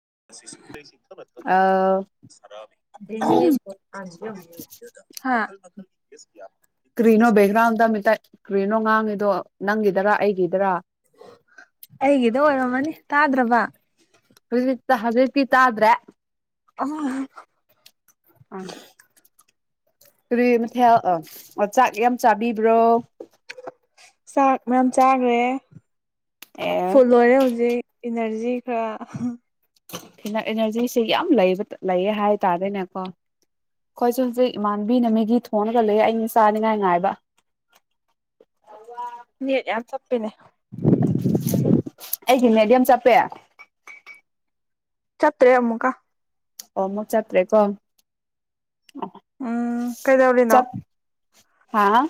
[unintelligible] [unintelligible] ꯀꯀꯤꯌꯥ ꯀ꯭ꯔꯤꯅꯣ ꯕꯦꯛꯒ꯭ꯔꯥꯎꯟꯗꯇ ꯀ꯭ꯔꯤꯅꯣ ꯉꯥꯡꯉꯤꯗꯣ ꯅꯪꯒꯤꯗꯔꯥ ꯑꯩꯒꯤꯗꯔꯥ ꯍꯩꯒꯗꯣ ꯑꯣꯏ ꯃꯅꯤ ꯇꯥꯗ꯭ꯔꯕ ꯍꯧꯖꯤꯠꯇ ꯍꯖꯤ ꯇꯤ ꯇꯗ꯭ꯔꯦ ꯑ ꯑꯥ ꯀꯔꯤ ꯃꯊꯦꯜ ꯑ ꯆꯥꯛ ꯌꯥꯝ ꯆꯥꯕꯤꯕ꯭ꯔꯣ ꯆꯥꯛ ꯃꯌꯥꯝ ꯆꯥꯈ꯭ꯔꯦ ꯑꯦ ꯐꯨꯜ ꯂꯣꯏꯔꯦ ꯍꯧꯖꯤꯛ ꯏꯅꯔꯖꯤ ꯈꯔ ꯐꯤ ꯏꯅꯔꯖꯤꯁꯤꯦ ꯌꯥꯝ ꯂꯩꯕ ꯂꯩꯌꯦ ꯍꯥꯏ ꯇꯔꯦꯅꯦꯀꯣ ꯑꯩꯈꯣꯏꯁꯨꯦ ꯍꯧꯖꯤꯛ ꯏꯃꯥꯟꯕꯤꯅ ꯃꯤꯒꯤ ꯊꯣꯡꯉꯒ ꯂꯨꯌꯦꯦ ꯑꯩꯅ ꯆꯥꯅꯤꯉꯥꯏ ꯉꯥꯏꯕ ꯅꯠ ꯌꯥꯝ ꯆꯠꯄꯤꯅꯦ ꯑꯩꯁꯦ ꯃꯦꯗꯤꯌꯝ ꯆꯞꯄꯦ ꯆꯠꯇ꯭ꯔꯦ ꯑꯃꯨꯀ ꯑꯣ ꯃꯛ ꯆꯠ꯭ꯔꯦꯀꯣ ꯎꯝ ꯀꯩꯗꯕꯂꯤꯅꯣ ꯍꯥꯥ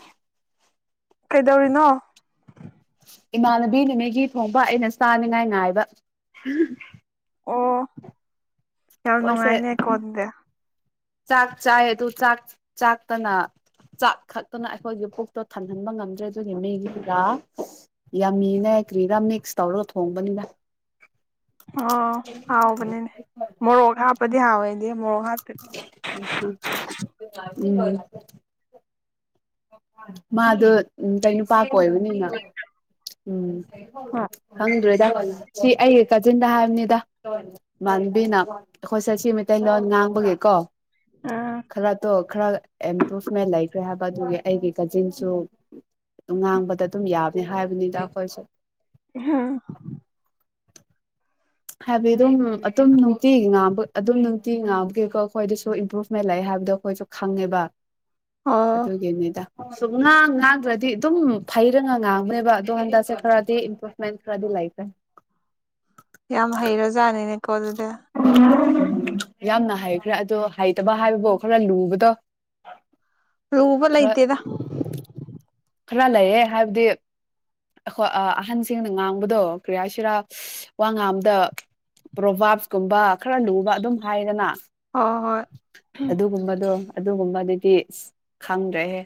ꯀꯩꯗꯧꯔꯤꯅꯣ ꯏꯃꯥꯟꯅꯕꯤ ꯅꯨꯃꯤꯒꯤ ꯊꯣꯡꯕ ꯑꯩꯅ ꯆꯥꯅꯤꯉꯥꯏ ꯉꯥꯏꯕ ꯑꯣ ꯌꯥꯝ ꯃꯣꯏꯁꯦ ꯅꯨꯡꯉꯥꯏꯅꯦꯀꯣꯟꯗꯤ ꯆꯥꯛ ꯆꯥꯦ ꯇꯨ ꯆꯥꯛ ꯆꯥꯛꯥꯛꯇꯅꯥ ꯆꯥꯛ ꯈꯛꯇꯅ ꯑꯩꯈꯣꯏꯒꯤ ꯄꯨꯛꯇꯣ ꯊꯟꯍꯟꯕ ꯉꯝꯗ꯭ꯔꯦ ꯑꯗꯨꯒꯤ ꯃꯤꯒꯤ ꯄꯨꯔꯥ ꯌꯥꯝꯃꯤꯅꯦ ꯉꯥꯏ ꯀ꯭ꯔꯤꯗꯝ ꯅꯦꯛꯁ ꯇꯧꯔꯒ ꯊꯣꯡꯕꯅꯤꯅ ꯑꯣ ꯍꯥꯎꯕꯅꯤꯅꯦ ꯃꯣꯔꯣꯛ ꯍꯥꯄꯗꯤ ꯍꯥꯥꯎꯦꯅꯦ ꯎꯝ ꯃꯥꯗꯣ ꯀ ꯅꯨꯄꯥ ꯀ ꯑꯣꯏꯕꯅꯤꯅ ꯎꯝ ꯍꯪꯗ꯭ꯔꯦꯗ ꯁꯤ ꯑꯩ ꯀꯥꯆꯤꯟꯗ ꯍꯥꯏꯕꯅꯤꯗ ꯃꯥꯟꯕꯤꯅ ꯄꯣꯏꯠꯆꯠꯁꯤ ꯃꯩꯇꯩꯂꯣꯟ ꯉꯥꯡꯕꯒꯤꯀꯣ ꯎꯝ ꯈꯔ ꯇꯣ ꯈꯔ ꯑꯦꯝꯄ꯭ꯔꯨꯚꯃꯦꯟ ꯂꯩꯈ꯭ꯔꯦ ꯍꯥꯏꯕ ꯑꯗꯨꯒꯤ ꯑꯩꯒꯤ ꯀꯖꯤꯟꯁꯨꯝ ꯉꯥꯡꯕꯗ ꯑꯗꯨꯝ ꯌꯥꯕꯅꯤ ꯍꯥꯏꯕꯅꯤꯗ ꯑꯩꯈꯣꯏꯁꯨ ꯍꯥꯥ ꯍꯥꯏꯕꯗꯤ ꯑꯗꯨꯝ ꯑꯗꯨꯝ ꯅꯨꯡꯇꯤ ꯉꯥꯕ ꯑꯗꯨꯝ ꯅꯨꯡꯇꯤ ꯉꯥꯕꯒꯤꯀꯣ ꯑꯩꯈꯣꯏꯗꯁꯨ ꯏꯝꯄ꯭ꯔꯨꯚꯃꯦꯟ ꯂꯩ ꯍꯥꯏ ꯍꯥꯏꯕꯗꯣ ꯑꯩꯈꯣꯏꯁꯨ ꯈꯪꯉꯦꯕ ꯑꯣ ꯑꯗꯨꯒꯤꯅꯤꯗ ꯁꯨꯝ ꯉꯥꯡ ꯉꯥꯡꯗ꯭ꯔꯗꯤ ꯑꯗꯨꯝ ꯐꯩꯔꯒ ꯉꯥꯡꯕꯅꯦꯕ ꯑꯗꯣ ꯍꯟꯗꯛꯁꯦ ꯈꯔꯗꯤ ꯏꯝꯄ꯭ꯔꯨꯚꯃꯦꯟ ꯈꯔꯗꯤ ꯂꯩ ꯂꯦ ꯌꯥꯝ ꯍꯩꯔꯖꯥꯠꯅꯤꯅꯦꯀꯣ ꯑꯗꯨꯗ ꯌꯥꯝꯅ ꯍꯩꯈ꯭ꯔꯦ ꯑꯗꯣ ꯍꯩꯇꯕ ꯍꯥꯏꯕꯕꯨꯣ ꯈꯔ ꯂꯨꯕꯗꯣ ꯈꯔ ꯂꯨꯕꯂꯥꯏꯇꯦꯗ ꯈꯔ ꯂꯩꯌꯦ ꯍꯥꯏꯕꯗꯤ ꯑꯩꯈꯣꯏ ꯑꯍꯟꯁꯤꯡꯅ ꯉꯥꯡꯕꯗꯣ ꯀ꯭ꯔꯤꯌꯥꯁꯤꯔꯥ ꯋꯥ ꯉꯥꯡꯝꯗ ꯄ꯭ꯔꯣꯚꯥꯞꯀꯨꯝꯕ ꯈꯔ ꯂꯨꯕ ꯑꯗꯨꯝ ꯍꯥꯏꯗꯅ ꯍ ꯍꯣꯏ ꯑꯗꯨꯒꯨꯝꯕꯗꯣ ꯑꯗꯨꯒꯨꯝꯕꯗꯨꯗꯤ ꯈꯪꯗ꯭ꯔꯦꯍꯦ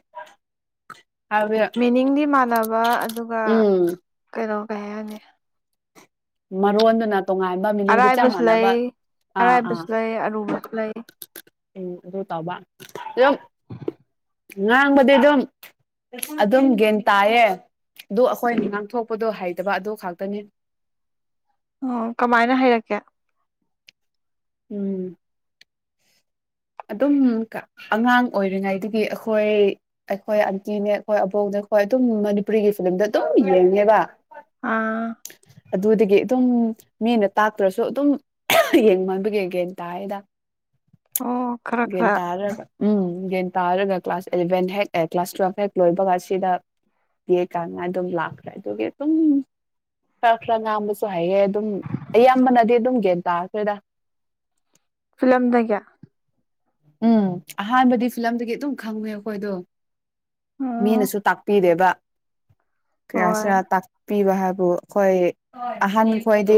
ꯍꯥꯏꯕꯗꯤ ꯃꯤꯅꯤꯡꯗꯤ ꯃꯥꯟꯅꯕ ꯑꯗꯨꯒ ꯎꯝ ꯀꯩꯅꯣ ꯀꯩ ꯍꯥꯏꯅꯤ ꯃꯔꯣꯟꯗꯨꯅ ꯇꯣꯉꯥꯟꯕ ꯃꯤꯅꯤꯡꯒ ꯆꯞ ꯑꯔꯥꯏꯕꯁꯨ ꯃꯥꯟꯅꯕ ꯂꯩ ꯑꯥ ꯑꯥ ꯑꯔꯥꯏꯕꯁꯨ ꯂꯩ ꯑꯔꯨꯕꯁꯨ ꯂꯩ ꯇꯕ ꯉꯥꯡꯕꯗꯤ ꯑꯗꯨꯝ ꯑꯗꯨꯝ ꯒꯟ ꯇꯥꯏꯌꯦ ꯑꯗꯨ ꯑꯩꯈꯣꯏꯅ ꯉꯥꯡꯊꯣꯛꯄꯗꯣ ꯍꯩꯇꯕ ꯑꯗꯨ ꯈꯇꯅꯤ ꯑꯣ ꯀꯃꯥꯏꯅ ꯍꯩꯔꯛꯀꯦ ꯎꯝ [unintelligible] ꯑꯗꯨꯝ ꯑꯉꯥꯡ ꯑꯣꯏꯔꯤꯉꯩꯗꯒꯤ ꯑꯩꯈꯣꯏ ꯑꯩꯈꯣꯏ ꯑꯟꯇꯤꯅꯦ ꯑꯩꯈꯣꯏ ꯑꯕꯣꯛꯅꯦ ꯍꯣꯏ ꯑꯗꯨꯝ ꯃꯅꯤꯄꯨꯔꯤꯒꯤ ꯐꯤꯂꯝꯗ ꯑꯗꯨꯝ ꯌꯦꯡꯉꯦꯕ ꯑꯥ ꯑꯗꯨꯗꯒꯤ ꯑꯗꯨꯝ ꯃꯤꯅ ꯇꯥꯛꯇ꯭ꯔꯁꯨ ꯑꯗꯨꯝ ꯌꯦꯡꯃꯟꯕꯒꯤꯒꯦꯅ ꯇꯥꯏꯗ ꯑꯣ ꯈꯔ ꯒꯤ ꯈꯔ ꯇꯔꯔꯕ ꯎꯝ ꯌꯦꯟ ꯇꯥꯔꯒ ꯀ꯭ꯂꯥꯁ ꯑꯦꯂꯚꯦꯟ ꯍꯦꯛ ꯀ꯭ꯂꯥꯁ ꯇꯨꯋꯦꯜꯐ ꯍꯦꯛ ꯂꯣꯏꯕꯒ ꯁꯤꯗ ꯌꯦ ꯀꯅꯥ ꯑꯗꯨꯝ ꯂꯥꯛ꯭ꯔꯦ ꯑꯗꯨꯒꯤ ꯑꯗꯨꯝ ꯈꯔ ꯈꯔ ꯉꯥꯡꯕꯁꯨ ꯍꯥꯏꯌꯦꯦ ꯑꯗꯨꯝ ꯑꯌꯥꯝꯕꯅꯗꯤ ꯑꯗꯨꯝ ꯒꯟ ꯇꯥꯔꯈ꯭ꯔꯣꯏꯗ ꯐꯤꯂꯝꯗꯒꯤ ꯀ ꯎꯝ ꯑꯍꯥꯟꯕꯗꯤ ꯐꯤꯂꯝꯗꯒꯤ ꯑꯗꯨꯝ ꯈꯪꯉꯦ ꯑꯩꯈꯣꯏꯗꯣ ꯎꯝ ꯃꯤꯅꯁꯨ ꯇꯥꯛꯄꯤꯗꯦꯕ ꯍꯣꯏ ꯀꯌꯥꯁꯤꯔ ꯇꯥꯛꯄꯤꯕ ꯍꯥꯏꯕ ꯑꯗꯨꯕꯨ ꯑꯩꯈꯣꯏ ꯑꯍꯟ ꯈꯣꯏꯗꯤ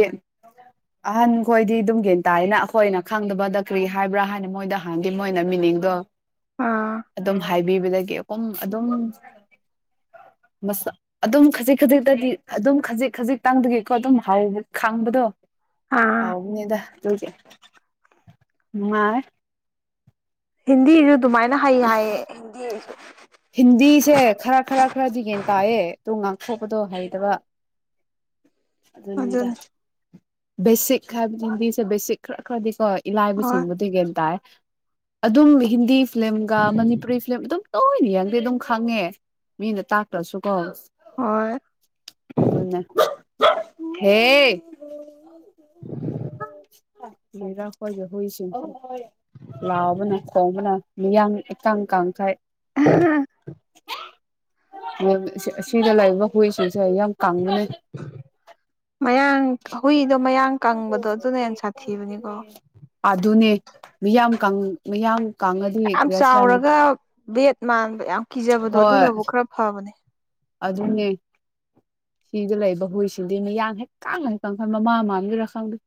ꯑꯍꯟꯈꯣꯏꯗꯤ ꯑꯗꯨꯝ ꯒꯦꯟ ꯇꯥꯌꯦꯅ ꯑꯩꯈꯣꯏꯅ ꯈꯪꯗꯕꯗ ꯀꯔꯤ ꯍꯥꯏꯕ꯭ꯔꯥ ꯍꯥꯏꯅ ꯃꯣꯏꯗ ꯍꯥꯟꯗꯤ ꯃꯣꯏꯅ ꯃꯤꯅꯤꯡꯗꯣ ꯑꯥ ꯕꯤꯤꯕꯗꯒꯤꯨꯝ ꯑꯗꯨꯝ [unintelligible] ꯑꯗꯨꯝ ꯈꯖꯤꯛ ꯈꯖꯤꯛꯇꯗꯤ ꯑꯗꯨꯝ ꯈꯖꯤꯛ ꯈꯖꯤꯛꯇꯥꯡꯗꯒꯤꯀꯣ ꯑꯗꯨꯝ ꯍꯥꯎ ꯈꯥꯡꯕꯗꯣ ꯑꯥ ꯍꯥꯎꯅꯦꯗ ꯇꯨ ꯀꯉ ꯍꯤꯟꯗꯤꯁꯨ ꯑꯗꯨꯃꯥꯏꯅ ꯍꯩ ꯍꯥꯏꯌꯦ ꯍꯤꯟꯗꯤꯁꯨ ꯍꯤꯟꯗꯤꯁꯦ ꯈꯔ ꯈꯔ ꯈꯔꯗꯤꯒꯦꯟ ꯇꯥꯏꯌꯦ ꯇ ꯉꯥꯡꯊꯣꯛꯄꯗꯣ ꯍꯩꯇꯕ ꯑꯗꯨꯔ ꯑꯗꯨꯅꯤ ꯦꯁꯤꯛ ꯈꯥꯏ ꯍꯗꯤꯁꯦ ꯦꯁꯤꯛ ꯈꯔ ꯈ꯭ꯔꯗꯤ ꯈꯣ ꯍꯣꯏ ꯏꯂꯥꯏꯕꯁꯤꯡꯕꯨꯗꯤꯒꯦꯟ ꯇꯥꯏ ꯑꯗꯨꯝ ꯍꯤꯟꯗꯤ ꯐꯤꯂꯝꯒ ꯃꯅꯤꯄꯨꯔꯤ ꯐꯤꯂꯝ ꯑꯗꯨꯝ ꯇꯣꯏꯅ ꯌꯥꯡꯗꯦ ꯑꯗꯨꯝ ꯈꯪꯉꯦ ꯃꯤꯅ ꯇꯥꯛꯇ꯭ꯔꯁꯨꯀꯣ ꯍꯣꯏ ꯍꯦ ꯃꯔ ꯍꯣꯏꯒ ꯍꯁ ꯂꯥꯎꯕꯅ ꯈꯣꯡꯕꯅ ꯃꯤꯌꯥꯡ ꯏꯀꯥꯡ ꯀꯥꯡꯈꯥꯏ [unintelligible] ꯑꯁꯤꯗ ꯂꯩꯔꯤꯕ ꯍꯨꯏꯁꯤꯡꯁꯦ ꯌꯥꯝ ꯀꯪꯒꯅꯤ ꯍꯨꯏꯗ ꯃꯌꯥꯡ ꯀꯪꯕꯗꯣ ꯑꯗꯨꯅ ꯍꯦꯟꯅ ꯁꯥꯊꯤꯕꯅꯤꯀꯣ ꯑꯗꯨꯅꯦ ꯃꯤꯌꯥꯝ ꯃꯤꯌꯥꯝ ꯀꯪꯉꯗꯤ ꯌꯥꯝ ꯀꯔꯤ ꯍꯥꯏꯁꯤꯔ ꯆꯥꯎꯔꯒ ꯚꯦꯠ ꯃꯥꯟ ꯌꯥꯝ ꯀꯤꯖꯕꯗꯣ ꯑꯗꯨꯅꯕꯨ ꯈꯔ ꯐꯕꯅꯦ ꯑꯗꯨ ꯑꯗꯨꯅꯦ ꯁꯤꯗ ꯂꯩꯕ ꯍꯨꯏꯁꯤꯗꯤ ꯃꯤꯌꯥꯡ ꯍꯦꯛ ꯀꯥꯡꯅ ꯍꯦꯛꯀ ꯈꯟ ꯃꯃꯥ ꯃꯥꯡꯁꯤꯔ ꯈꯪꯗꯦ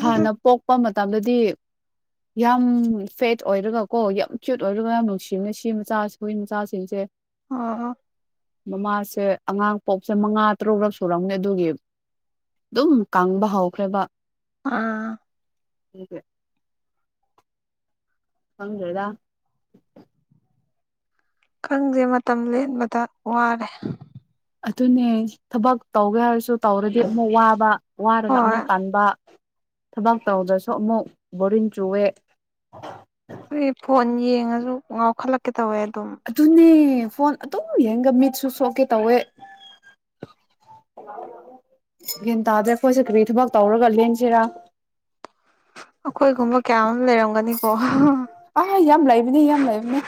ꯍꯥꯟꯅ ꯄꯣꯛꯄ ꯃꯇꯝꯗꯗꯤ ꯌꯥꯝ ꯐꯦꯠ ꯑꯣꯏꯔꯒ ꯀꯣ ꯌꯥꯝ ꯀ꯭ꯌꯨꯠ ꯑꯣꯏꯔꯒ ꯌꯥꯝ ꯅꯨꯡꯁꯤꯕꯅ ꯁꯤ ꯃꯆꯥ ꯍꯈꯣꯏ ꯃꯆꯥꯁꯤꯡꯁꯦ ꯑ ꯃꯃꯥꯁꯦ ꯑꯉꯥꯡ ꯄꯣꯛꯁꯦ ꯃꯉꯥ ꯇꯔꯨꯛꯔꯛ ꯁꯨꯔꯝꯅꯦ ꯑꯗꯨꯒꯤ ꯑꯗꯨꯝ ꯀꯪꯕ ꯍꯧꯈ꯭ꯔꯦꯕ ꯑꯥ ꯐꯪꯉꯦꯗ ꯀꯥꯡꯪꯁꯦ ꯃꯇꯝ ꯂꯦꯟꯕꯗ ꯋꯥꯔꯦ ꯑꯗꯨꯅꯦ ꯊꯕꯛ ꯇꯧꯒꯦ ꯍꯥꯏꯔꯁꯨ ꯇꯧꯔꯗꯤ ꯑꯃꯨꯛ ꯋꯥꯕ ꯋꯥꯔꯒ ꯍꯣꯏ ꯑꯃꯨꯛ ꯇꯥꯟꯕ ꯊꯕꯛ ꯇꯧꯗ꯭ꯔꯁꯨ ꯑꯃꯨꯛ ꯕꯣꯔꯤꯡ ꯆꯨꯋꯦ ꯑꯩ ꯐꯣꯟ ꯌꯦꯡꯉꯁꯨ ꯉꯥꯎꯈꯠꯂꯛꯀ ꯑꯗꯨꯅꯦ ꯐꯣꯟ ꯑꯗꯨꯝ ꯌꯦꯡꯒ ꯃꯤꯠꯁꯨ ꯁꯣꯛꯀꯦ ꯇꯧꯋꯦ ꯒ꯭ꯌꯥꯟ ꯇꯥꯗ꯭ꯔꯦ ꯑꯩꯈꯣꯏꯁꯦ ꯀꯔꯤ ꯊꯕꯛ ꯇꯧꯔꯒ ꯂꯦꯟꯁꯤꯔꯥ ꯑꯩꯈꯣꯏꯒꯨꯝꯕ ꯀꯌꯥ ꯑꯃ ꯂꯩꯔꯝꯒꯅꯤꯀꯣ ꯑ ꯌꯥꯝ ꯂꯩꯕꯅꯦ ꯌꯥꯝ ꯂꯩꯕꯅꯦ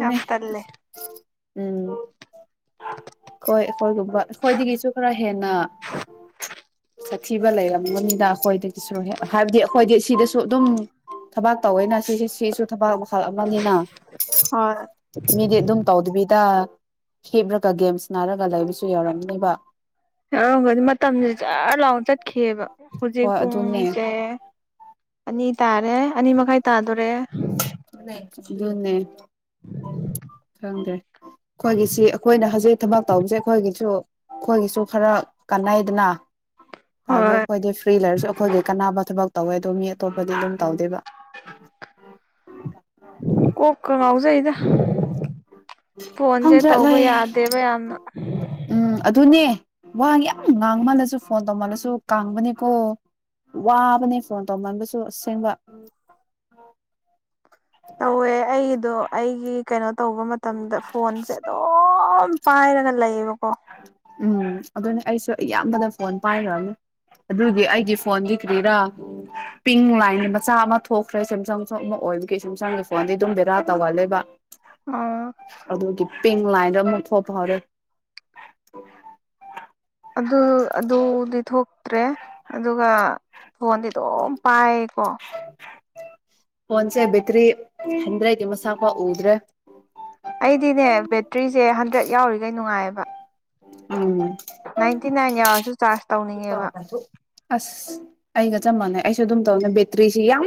ꯌꯥꯝ ꯇꯜꯂꯦ ꯎꯝ ꯍꯈꯣꯏ ꯑꯩꯈꯣꯏꯒꯨꯝꯕ ꯑꯩꯈꯣꯏꯗꯒꯤꯁꯨ ꯈꯔ ꯍꯦꯟꯅ [inaudible] ꯁꯥꯊꯤꯕ ꯂꯩꯔꯝꯒꯅꯤꯅ ꯑꯩꯈꯣꯏꯗꯒꯤꯁꯨ ꯍꯦꯛ ꯍꯥꯏꯕꯗꯤ ꯑꯩꯈꯣꯏꯗꯤ ꯁꯤꯗꯁꯨ ꯑꯗꯨꯝ ꯊꯕꯥꯛ ꯇꯧꯋꯩꯅ ꯁꯤꯁꯦ ꯁꯤꯁꯨ ꯊꯕꯛ ꯃꯈꯜ ꯑꯃꯅꯤꯅ ꯍꯣꯏ ꯃꯤꯗꯤ ꯑꯗꯨꯝ ꯇꯧꯗꯕꯤꯗ ꯍꯦꯞꯂꯒ ꯒꯦꯝꯁ ꯅꯥꯔꯒ ꯂꯩꯕꯁꯨ ꯌꯥꯎꯔꯝꯅꯦꯕ ꯌꯥꯒꯗꯤ ꯃꯇꯝꯁꯦ ꯖꯔ ꯂꯥꯎꯅ ꯆꯠꯈꯤꯑꯕ ꯍꯧꯖꯤꯛ ꯍꯣꯏ ꯑꯗꯨꯅꯦ ꯄꯨꯡꯁꯦ ꯑꯅꯤ ꯇꯥꯔꯦ ꯑꯅꯤ ꯃꯈꯥꯏ ꯇꯥꯗꯣꯔꯦ ꯅ ꯊꯪꯗꯦ ꯑꯩꯈꯣꯏꯒꯤꯁꯤ ꯑꯩꯈꯣꯏꯅ ꯍꯧꯖꯤꯛ ꯊꯕꯛ ꯇꯧꯕꯁꯦ ꯑꯩꯈꯣꯏꯒꯤꯁꯨ ꯑꯩꯈꯣꯏꯒꯤꯁꯨ ꯈꯔ ꯀꯥꯟꯅꯩꯗꯅ ꯍꯥꯏꯕꯕꯨ ꯍꯣꯏ ꯑꯩꯈꯣꯏꯗꯤ ꯐ꯭ꯔꯤ ꯂꯩꯔꯁꯨ ꯑꯩꯈꯣꯏꯒꯤ ꯀꯅꯥꯅꯕ ꯊꯕꯛ ꯇꯧꯋꯦ ꯑꯗꯣ ꯃꯤ ꯑꯇꯣꯞꯄꯗꯤ ꯑꯗꯨꯝ ꯇꯧꯗꯦꯕ ꯀꯣꯀ ꯂꯧꯎꯖꯏꯗ ꯐꯣꯟꯁꯦ ꯈꯪꯗ꯭ꯔꯦ ꯇꯧꯕ ꯂꯩ ꯌꯥꯗꯦꯕ ꯌꯥꯝꯅ ꯋꯥꯍ ꯌꯥꯝ ꯉꯥꯡꯃꯜꯂꯁꯨ ꯐꯣꯟ ꯇꯧꯃꯜꯂꯁꯨ ꯀꯥꯡꯥꯡꯕꯅꯦꯀꯣ ꯋꯥꯕꯅꯦ ꯐꯣꯟ ꯇꯧꯃꯟꯕꯁꯨ ꯑꯁꯦꯡꯕ [inaudible] ꯇꯧꯋꯦ ꯑꯩꯗꯣ ꯑꯩꯒꯤ ꯀꯩꯅꯣ ꯇꯧꯕ ꯃꯇꯝꯗ ꯐꯣꯟꯁꯦ ꯑꯗꯨꯝ ꯄꯥꯏꯔꯒ ꯂꯩꯌꯦꯕꯀꯣ ꯑꯗꯨꯅ ꯑꯩꯁꯨ ꯑꯌꯥꯝꯕꯅ ꯐꯣꯟ ꯄꯥꯏꯈ꯭ꯔꯅꯤ ꯑꯗꯨꯒꯤ ꯑꯩꯒꯤ ꯐꯣꯟꯗꯤ ꯀ꯭ꯔꯤꯔꯥ ꯄꯤꯡ ꯂꯥꯏꯟꯒꯤ ꯃꯆꯥ ꯑꯃ ꯊꯣꯛꯈ꯭ꯔꯦ ꯁꯦꯝꯁꯪꯁꯨ ꯑꯃ ꯑꯣꯏꯕꯒꯤ ꯁꯦꯝꯁꯪꯒꯤ ꯐꯣꯟꯗꯤ ꯑꯗꯨꯝ ꯕꯦꯔꯥ ꯇꯧꯒꯜꯂꯦꯕ [inaudible] ꯑꯗꯨꯒꯤ ꯄꯤꯡ ꯂꯥꯏꯟꯗ ꯑꯃꯨꯛ ꯊꯣꯛꯄ ꯍꯧꯔꯦ ꯑꯗꯨ ꯑꯗꯨꯗꯤ ꯊꯣꯛꯇ꯭ꯔꯦ ꯑꯗꯨꯒ ꯐꯣꯟꯗꯤ ꯑꯗꯨꯝ ꯄꯥꯏꯀꯣ ꯑꯣꯟꯁꯦ ꯇ꯭ꯔꯤ ꯍꯗ꯭ꯔꯦ ꯇꯃꯁꯀꯋꯥ ꯎꯗ꯭ꯔꯦ ꯑꯩꯗꯤꯅꯦ ꯕꯦꯇ꯭ꯔꯤꯁꯦ ꯍꯟꯗ꯭ꯔꯦꯗ ꯌꯥꯎꯔꯤꯈꯩ ꯅꯨꯡꯉꯥꯏꯌꯦꯕ ꯎꯝ ꯏꯟꯇꯤ ꯅꯥꯏꯟ ꯌꯥ ꯕ ꯑꯗꯨ ꯑꯁ ꯑꯩꯒ ꯆꯞ ꯃꯥꯟꯅꯩ ꯑꯩꯁꯨ ꯑꯗꯨꯝ ꯇꯧꯅꯤ ꯕꯦꯇ꯭ꯔꯤꯁꯤ ꯌꯥꯝ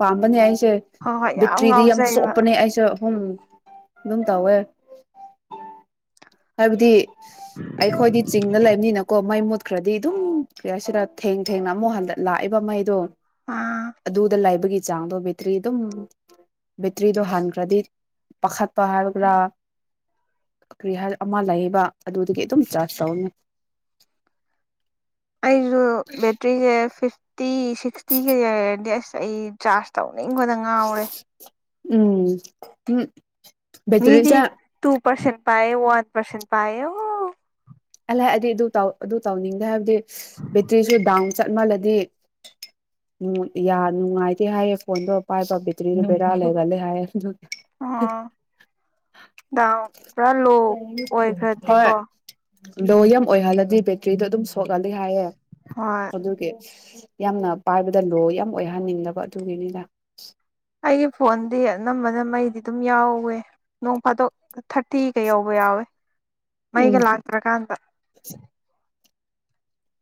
ꯄꯥꯝꯕꯅꯦ ꯑꯩ ꯦ ꯍꯣꯏ ꯍꯣꯏ ꯕꯤꯇ꯭ꯔꯤꯗꯤ ꯌꯥꯝ ꯉꯥꯎꯖꯩꯕ ꯁꯣꯞꯄꯅꯦ ꯑꯩꯁꯨꯦ ꯎꯝ ꯑꯗꯨꯝ ꯇꯧꯋꯦ ꯍꯥꯏꯕꯗꯤ ꯑꯩꯈꯣꯏꯗꯤ ꯆꯤꯡꯗ ꯂꯩꯕꯅꯤꯅꯀꯣ ꯃꯩ ꯃꯨ ꯈ꯭ꯔꯗꯤ ꯑꯗꯨꯝ ꯀꯔ ꯁꯤꯗ ꯊꯦꯡ ꯊꯦꯡꯅ ꯑꯃꯨꯛ ꯍꯟꯗ ꯂꯥꯛꯏꯕ ꯃꯩꯗꯣ ꯑꯥ ꯑꯗꯨꯗ ꯂꯥꯏꯕꯒꯤ ꯆꯥꯡꯗꯣꯕꯕꯤꯇ꯭ꯔꯤ ꯑꯗꯨꯝ ꯕꯦꯇ꯭ꯔꯤꯗꯣ ꯍꯟꯈ꯭ꯔꯗꯤ ꯄꯥꯈꯠꯄ ꯍꯥꯏꯕꯒ꯭ꯔꯥ ꯀꯔꯤ ꯑꯃ ꯂꯩꯌꯦꯕ ꯑꯗꯨꯗꯒꯤ ꯑꯗꯨꯝ ꯆꯥꯔꯖ ꯇꯅꯤ ꯑꯩꯁꯨ ꯕꯦꯇ꯭ꯔꯤꯁꯦ ꯐꯤꯐꯇꯤ ꯁꯤꯛꯁꯇꯤꯒ ꯂꯩꯔꯔꯗꯤ ꯑꯁ ꯑꯩ ꯆꯥꯔꯖ ꯇꯧ ꯃꯤ ꯀꯗꯉꯔꯦ ꯎꯝ ꯎꯝ ꯕꯦꯇ꯭ꯔꯤꯁꯦ ꯃꯤꯗꯤ ꯇꯨ ꯄꯔꯁꯦꯟ ꯄꯑ ꯋꯥꯟ ꯄꯔꯁꯦꯟ ꯄꯑ ꯑꯣ ꯑꯂꯑꯗꯤ ꯑꯗꯨ ꯇ ꯑꯗꯨ ꯇꯧꯅꯤꯡꯗꯦ ꯍꯥꯏꯕꯗꯤ ꯕꯦꯇ꯭ꯔꯤꯁꯨ ꯗꯥꯎꯟ ꯆꯠꯃꯜꯂꯗꯤ ꯌꯥ ꯅꯨꯡꯉꯥꯏꯇꯦ ꯍꯥꯏꯌꯦꯦ ꯐꯣꯟꯗꯣ ꯄꯥꯏꯕ ꯕꯦꯇ꯭ꯔꯤꯗꯣ ꯕꯦꯔꯥ ꯂꯩꯒꯜꯂꯦ ꯍꯥꯏꯌꯦ ꯑꯗꯨ ꯐ ꯗꯥꯎ ꯄꯨꯔꯥ ꯂꯣ ꯍꯣꯏ ꯑꯣꯏꯈ꯭ꯔꯗꯤꯀꯣ ꯂꯣ ꯌꯥꯝ ꯑꯣꯏꯍꯜꯂꯗꯤ ꯕꯦꯇ꯭ꯔꯤꯗꯣ ꯑꯗꯨꯝ ꯁꯣꯛꯍꯜꯂꯤ ꯍꯥꯏꯌꯦꯦ ꯍꯣꯏ ꯑꯗꯨꯒꯤ ꯌꯥꯝꯅ ꯄꯥꯏꯕꯗ ꯂꯣ ꯌꯥꯝ ꯑꯣꯏꯍꯟꯅꯤꯡꯗꯕ ꯑꯗꯨꯒꯤꯅꯤꯅ ꯑꯩꯒꯤ ꯐꯣꯟꯗꯤ ꯑꯅꯝꯕꯅ ꯃꯩꯗꯤ ꯑꯗꯨꯝ ꯌꯥꯎꯋꯦ ꯅꯣꯡ ꯐꯥꯗꯣꯛ ꯊꯥꯔꯇꯤꯒ ꯌꯎꯧꯕ ꯌꯥꯎꯋꯦ ꯃꯩꯒ ꯎꯝ ꯂꯥꯛꯇ꯭ꯔꯀꯥꯟꯗ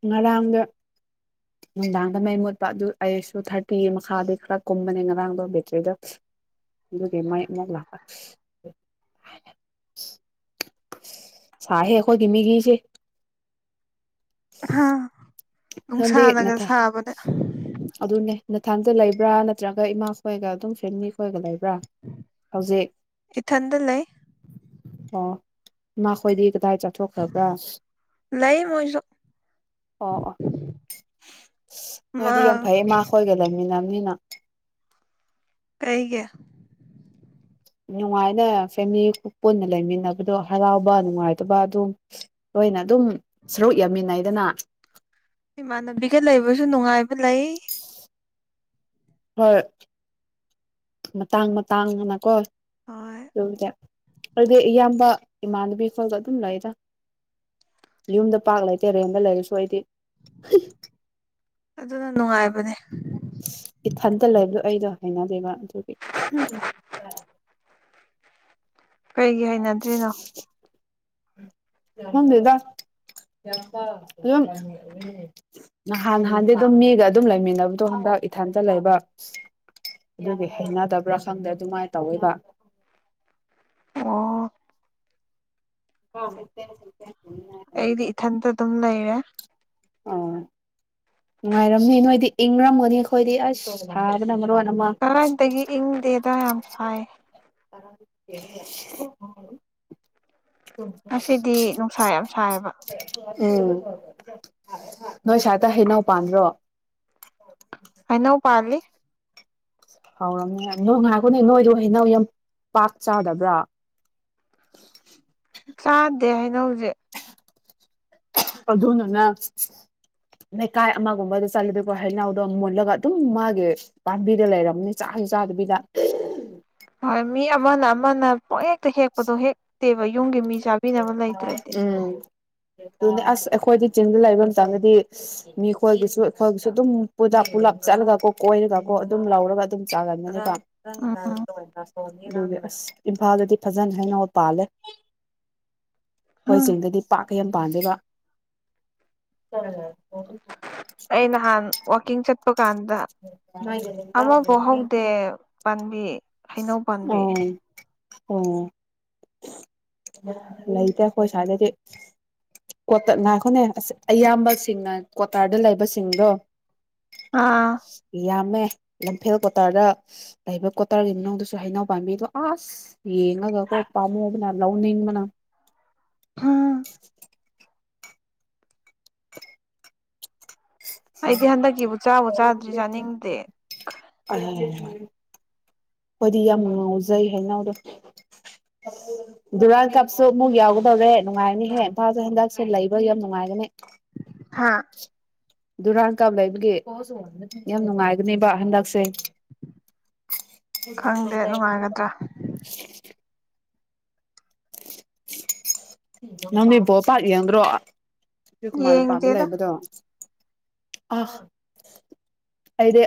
ꯉꯔꯥꯡꯗ ꯅꯨꯡꯗꯥꯡꯗ ꯃꯩ ꯃꯨꯠꯄ ꯑꯗꯨ ꯑꯩꯁꯨ ꯊꯥꯔꯇꯤ ꯃꯈꯥꯗꯤ ꯈꯔ ꯀꯨꯝꯕꯅꯦ ꯉꯔꯥꯡꯗꯣ ꯕꯦꯇ꯭ꯔꯤꯗꯣ ꯑꯗꯨ ꯃ ꯃ ꯂꯥꯛ ꯆꯥꯦ ꯑꯩꯈꯣꯏ ꯀꯃꯤꯒꯤꯁꯦ ꯍꯥꯥ ꯅꯪꯗꯤꯦ ꯅꯠꯇ ꯑꯗꯨꯟꯅꯅꯦ ꯅꯊꯥꯡꯖ ꯂꯩꯕ꯭ꯔꯥ ꯅꯠꯇ꯭ꯔꯒ ꯏꯃꯥꯈꯣꯏꯒ ꯑꯗꯨꯝ ꯐꯦꯃꯤꯂꯤ ꯈꯣꯏꯒ ꯂꯩꯕ꯭ꯔꯥ ꯍꯧꯖꯤꯛ ꯏꯊꯟꯗ ꯂꯩ ꯑꯣ ꯅꯈꯣꯏꯗꯤ ꯀꯗꯥꯏ ꯆꯠꯊꯣꯛꯈ꯭ꯔꯕ꯭ꯔꯥ ꯂꯩ ꯃꯣꯏꯁꯨ ꯑꯣ ꯑꯣ ꯑꯁ ꯅꯣꯏꯗꯤ ꯌꯥꯝ ꯃꯥ ꯐꯩ ꯏꯃꯥ ꯈꯣꯏꯒꯗꯕꯃꯤꯅꯤꯅ ꯀꯩꯒ ꯅꯨꯡꯉꯥꯏꯅ ꯐꯦꯃꯤꯂꯤ ꯄꯨꯟꯅ ꯂꯩꯃꯤꯟꯅꯕꯗꯣ ꯍꯔꯥꯎꯕ ꯅꯨꯡꯉꯥꯏꯇꯕ ꯑꯗꯨꯝ ꯂꯣꯏꯅ ꯑꯗꯨꯝ ꯁꯔꯨꯛ ꯌꯥꯃꯤꯟꯅꯩꯗꯅ ꯏꯃꯥꯟꯅꯕꯤꯒ ꯂꯩꯕꯁꯨ ꯅꯨꯡꯉꯥꯏꯕ ꯂꯩ ꯍꯣꯏ ꯃꯇꯥꯡ ꯃꯇꯥꯡꯅꯀꯣ ꯍꯣꯏ ꯑꯗꯨ ꯑꯗꯨꯗꯤ ꯏꯌꯥꯝꯕ ꯏꯃꯥꯟꯅꯕꯤ ꯈꯜꯗ ꯑꯗꯨꯝ ꯂꯩꯗ ꯌꯨꯝꯗ ꯄꯥꯛ ꯂꯩꯇꯦ ꯔꯦꯟꯗ ꯂꯩꯔꯁꯨ ꯑꯩꯗꯤ ꯑꯗꯨꯅ ꯅꯨꯡꯉꯥꯏꯕꯅꯦ ꯏꯊꯟꯇ ꯂꯩꯕꯗꯣ ꯑꯩꯗꯣ ꯍꯥꯏꯩꯅꯗꯕ ꯑꯗꯨꯒꯤ [unintelligible] ꯀꯩꯒꯤ ꯍꯅꯗ꯭ꯔꯤꯅꯣ ꯃꯗꯗ ꯝ ꯅꯍꯥꯟ ꯅꯍꯥꯟꯗꯤ ꯑꯗꯨꯝ ꯃꯤꯒ ꯑꯗꯨꯝ ꯂꯩꯃꯤꯟꯅꯕꯗꯣ ꯍ ꯆꯥꯛ ꯏꯊꯥꯟꯗ ꯂꯩꯕ ꯑꯗꯨꯒꯤ ꯍꯦꯡꯅꯗꯕ꯭ꯔꯥ ꯈꯪꯗ꯭ꯔꯦ ꯑꯗꯨꯃꯥꯏꯅ ꯇꯧꯋꯕ ꯑꯣ ꯍ ꯆꯠꯇꯦꯅꯦ ꯆꯠꯇꯦ ꯑꯩꯗꯤ ꯏꯊꯟꯇ ꯑꯗꯨꯝ ꯂꯩꯔꯦ ꯅꯨꯡꯉꯥꯏꯔꯝꯃꯤ ꯅꯣꯏꯗꯤ ꯏꯪꯔꯝꯒꯅꯤ ꯑꯩꯈꯣꯏꯗꯤ ꯑꯁ ꯍꯥꯏꯕꯅ ꯃꯔꯣꯟ ꯑꯃ ꯀꯔꯥꯏꯗꯒꯤ ꯏꯪꯗꯦꯗ ꯌꯥꯝ ꯁꯥꯏ [unintelligible] ꯑꯁꯤꯗꯤ ꯅꯨꯡꯁꯥ ꯌꯥꯝ ꯁꯥꯏꯌꯦꯕ ꯎꯝ ꯅꯣꯏ ꯁꯥꯏꯇ ꯍꯩꯅꯧꯎ ꯄꯥꯟꯕꯥꯟꯗ꯭ꯔꯣ ꯑꯩꯅꯧ ꯄꯜꯂꯤ ꯍꯧꯥꯎꯔꯝꯅꯦ ꯅꯣꯡ ꯉꯥꯏꯈꯨꯅꯦ ꯅꯣꯏꯗꯣ ꯍꯩꯅꯧ ꯌꯥꯝ ꯄꯥꯛ ꯆꯥꯗꯕ꯭ꯔꯥ ꯆꯥꯗꯦ ꯍꯥꯏꯅ ꯍꯧꯖꯤꯛ ꯑ ꯑꯗꯨꯅꯅ ꯂꯩꯀꯥꯏ ꯑꯃꯒꯨꯝꯕꯗ ꯆꯠꯂꯨꯗꯀꯣ ꯍꯩꯅꯥꯎꯗꯣ ꯃꯨꯜꯂꯒ ꯑꯗꯨꯝ ꯃꯥꯒꯤ ꯄꯥꯝꯕꯤꯗ ꯂꯩꯔꯝꯅꯤ ꯆ ꯆꯥꯗꯕꯤꯗ ꯍ ꯃꯤ ꯑꯃꯃꯅ ꯑꯃꯅ ꯄꯣꯛ ꯍꯦꯛꯇ ꯍꯦꯛꯄꯗꯣ ꯍꯦꯛꯇꯦꯕ ꯌꯨꯝꯒꯤ ꯃꯤ ꯆꯥꯕꯤꯅꯕ ꯂꯩꯇ꯭ꯔꯗꯤ ꯑꯗꯨ ꯑꯁ ꯑꯩꯈꯣꯏꯗꯤ ꯆꯤꯡꯗ ꯂꯩꯕ ꯃꯇꯝꯗꯗꯤ ꯃꯤꯈꯣꯏꯒꯤꯁꯨ ꯑꯩꯈꯣꯏꯒꯤꯁꯨ ꯑꯗꯨꯝ ꯄꯨꯂꯞ ꯄꯨꯂꯥꯞ ꯆꯠꯂꯒ ꯀꯣ ꯀꯣꯏꯔꯒꯀꯣ ꯑꯗꯨꯝ ꯂꯧꯔꯒ ꯑꯗꯨꯝ ꯆꯥꯒꯅꯤ ꯑꯁ ꯎꯝ ꯏꯝꯐꯥꯜꯗꯗꯤ ꯐꯖꯅ ꯍꯥꯏꯩꯅ ꯄꯥꯜꯂꯦ ꯑꯩꯈꯣꯏ ꯎꯝ ꯆꯤꯡꯗꯗꯤ ꯄꯥꯛꯀ ꯌꯥꯝ ꯄꯥꯖꯕ ꯎꯝ ꯑꯩ ꯅꯍꯥꯟ ꯋꯥꯋꯀꯤꯡ ꯆꯠꯄ ꯀꯥꯟꯗ ꯑꯃꯐꯥꯎ ꯍꯧꯗꯦ ꯄꯥꯝꯕꯤ ꯍꯩꯅꯧ ꯄꯥꯝꯕꯤ ꯑꯣ ꯑꯣ ꯂ ꯇꯈꯣꯏꯁꯗꯦꯗꯤ ꯀꯈꯣꯅꯦ ꯑ ꯑꯌꯥꯝꯕꯁꯤꯡꯅ ꯀ꯭ꯣꯇꯥꯔꯗ ꯂꯩꯕꯁꯤꯡꯗꯣ ꯑꯥ ꯌꯥꯝꯃꯦ ꯂꯝꯐꯦꯜ ꯀꯇꯥꯗ ꯇꯔꯒꯤ ꯃꯅꯨꯡꯗꯁꯨ ꯍꯩꯅꯎ ꯄꯥꯝꯕꯤꯗꯣ ꯑꯁ ꯌꯦꯡꯉꯒ ꯑꯩꯈꯣꯏ ꯄꯥꯝꯃꯨꯕꯅ ꯂꯧꯅꯤꯡꯕꯅ ꯎꯝ ꯑꯩꯗꯤ ꯍꯟꯗꯛꯀꯤꯕꯨ ꯆꯥꯕꯨ ꯆꯥꯗ꯭ꯔꯤ ꯆꯥꯅꯤꯡꯗꯦ ꯎ ꯑꯩꯗꯤ ꯌꯥꯝ ꯉꯥꯎꯖꯩ ꯍꯥꯏꯅꯗꯣ ꯗꯨꯨꯔꯥꯟ ꯀꯥꯞꯁꯨ ꯑꯃꯨꯛ ꯌꯥꯎꯒꯗꯕꯔꯦ ꯅꯨꯡꯉꯥꯏꯔꯅꯤꯍꯦ ꯏꯝꯐꯥꯜꯁꯨ ꯍꯟꯗꯛꯁꯦ ꯂꯩꯕ꯭ꯔ ꯌꯥꯝ ꯅꯨꯡꯉꯥꯏꯒꯅꯤ ꯍꯥꯥ ꯗꯨꯔꯥꯟ ꯀꯥꯞ ꯂꯩꯕꯒꯤ ꯌꯥꯝ ꯅꯨꯡꯉꯥꯏꯒꯅꯦꯕ ꯍꯟꯗꯛꯁꯦ ꯈꯪꯗꯦ ꯅꯨꯡꯉꯥꯏꯒꯗ꯭ꯔꯥ [unintelligible] ꯅꯪꯕꯤ ꯣꯄ ꯌꯦꯡꯟ꯭ꯔꯣ ꯣꯏꯀꯨꯃꯥꯔ ꯂꯝꯄꯥꯗ ꯌꯦꯡꯗꯦꯗ ꯂꯩꯕꯗꯣ ꯑ ꯑꯗꯦ